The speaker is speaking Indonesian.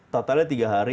totalnya tiga hari